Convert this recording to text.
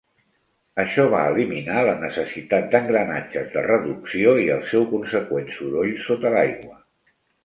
Això va eliminar la necessitat d'engranatges de reducció i el seu conseqüent soroll sota l'aigua.